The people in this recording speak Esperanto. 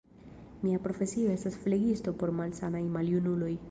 Mia profesio estas flegisto por malsanaj maljunuloj.